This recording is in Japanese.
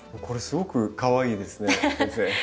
これすごくかわいいですね先生。